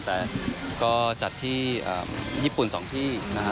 แต่ก็จัดที่ญี่ปุ่น๒ที่นะฮะ